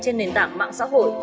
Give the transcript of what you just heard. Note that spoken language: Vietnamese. trên nền tảng mạng xã hội